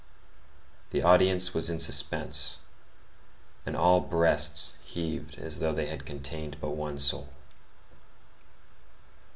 The audience was in suspense; and all breasts heaved as though they had contained but one soul.